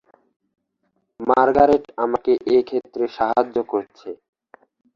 Margaret আমাকে এ ক্ষেত্রে সাহায্য করছে।